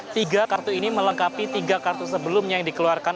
tiga kartu ini melengkapi tiga kartu sebelumnya yang dikeluarkan